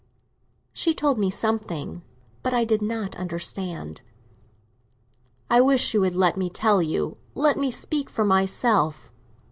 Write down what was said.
"She told me something, but I did not understand." "I wish you would let me tell you—let me speak for myself."